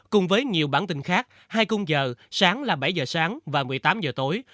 cùng với nhiều bản tin khác hai mươi h sáng là bảy h sáng và một mươi tám h tối